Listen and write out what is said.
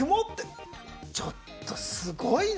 ちょっとすごいな！